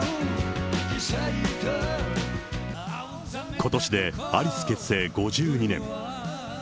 ことしでアリス結成５２年。